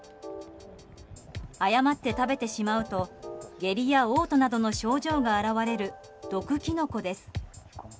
誤って食べてしまうと下痢や嘔吐などの症状が現れる毒キノコです。